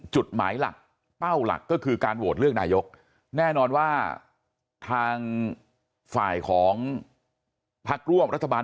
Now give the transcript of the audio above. จุดหมายหลักเป้าหลักก็คือการโหวตเลือกนายกแน่นอนว่าทางฝ่ายของพักร่วมรัฐบาล